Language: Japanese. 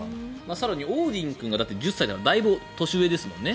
更にオーディン君が１０歳でだいぶ年上ですもんね。